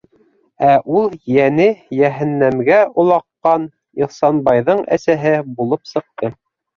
Ә ул йәне йәһәннәмгә олаҡҡан Ихсанбайҙың әсәһе булып сыҡты.